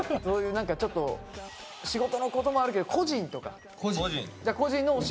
そういう何かちょっと仕事のこともあるけど個人とか。